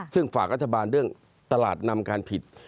ซึ่งฝากรัฐบาลเรื่องตลาดนำการผิด